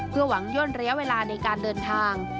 เพื่อหวังย่นระยะเวลาในการเดินทาง